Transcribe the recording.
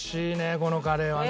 このカレーはね。